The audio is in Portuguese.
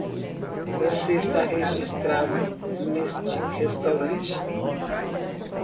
Você está registrado neste restaurante?